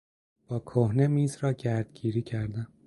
با کهنه میز را گردگیری کردم.